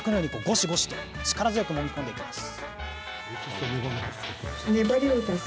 さらに、もう一度ゴシゴシと力強く、もみ込んでいきます。